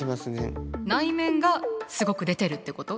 内面がすごく出てるってこと？